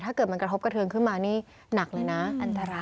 ถ้าเกิดมันกระทบกระเทืองขึ้นมานี่หนักเลยนะ